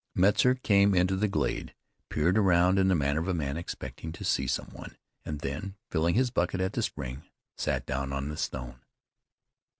Metzar came into the glade, peered around in the manner of a man expecting to see some one, and then, filling his bucket at the spring, sat down on the stone.